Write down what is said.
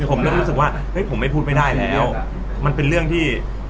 ผมก็รู้สึกว่าผมไม่พูดไม่ได้มันเป็นเรื่องที่